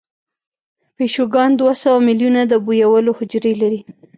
پیشوګان دوه سوه میلیونه د بویولو حجرې لري.